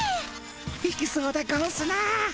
いきそうでゴンスな。